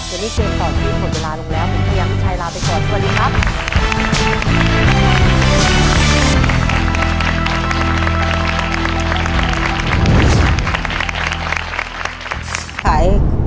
วันนี้เจนต่อทีหมดเวลาลงแล้วผมขยังพี่ชัยลาไปก่อนสวัสดีครับ